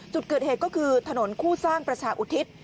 จุดเกิดเหตุก็คือถนนคู่สร้างประชาอุทิศ